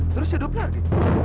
terus hidup lagi